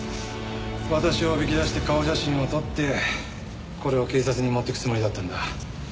私をおびき出して顔写真を撮ってこれを警察に持っていくつもりだったんだ。